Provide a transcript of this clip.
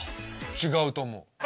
違うと思う。